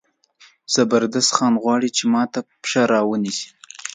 زبردست خان غواړي چې ما ته پښه را ونیسي.